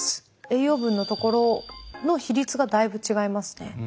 栄養分のところの比率がだいぶ違いますね。